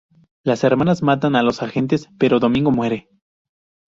Las hermanas matan a los agentes, pero Domingo muere.